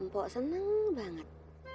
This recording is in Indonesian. pokok seneng banget